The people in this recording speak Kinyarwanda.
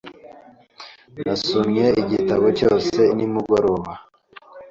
Nasomye igitabo cyose nimugoroba .